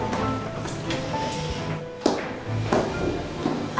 yaudah kok gitu keluar ayo